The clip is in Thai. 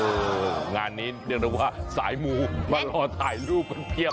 โอ้โฮงานนี้เดี๋ยวเราว่าสายหมูมารอถ่ายรูปกันเพียบ